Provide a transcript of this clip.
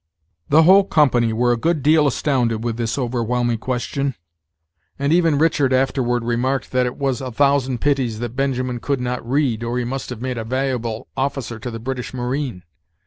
The whole company were a good deal astounded with this overwhelming question, and even Richard afterward remarked that it "was a thousand pities that Benjamin could not read, or he must have made a valuable officer to the British marine.